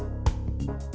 aku mau panggil nama atu